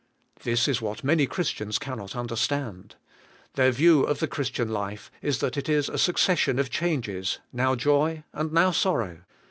This is what many Christians cannot understand. Their view of the Christian life is that it is a succession of changes, now joy and now sorrow.